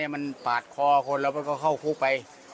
มันปาดคอคนแล้วมันก็เข้าคุกไป